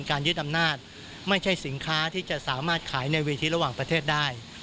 ยึดอำนาจไม่ใช่สินค้าที่จะสามารถขายในเวทีระหว่างประเทศได้